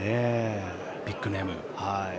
ビッグネーム。